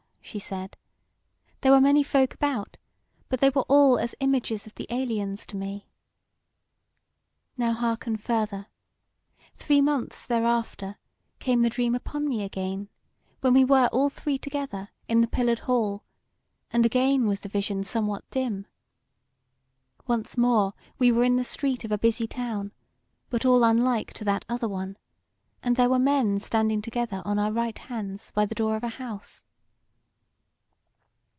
"Nay," she said, "there were many folk about, but they were all as images of the aliens to me. Now hearken further: three months thereafter came the dream upon me again, when we were all three together in the Pillared Hall; and again was the vision somewhat dim. Once more we were in the street of a busy town, but all unlike to that other one, and there were men standing together on our right hands by the door of a house."